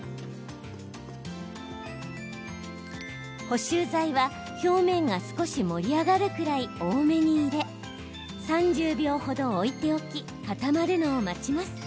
補修材は、表面が少し盛り上がるくらい多めに入れ３０秒ほど置いておき固まるのを待ちます。